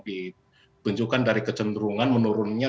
menunjukkan dari kecenderungan menurunnya